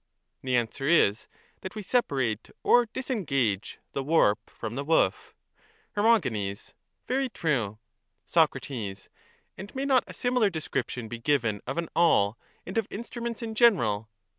— The answer is, that we separate or disengage the warp from the woof. Her. Very true. Soc. And may not a similar description be given of an awl, and of instruments in general?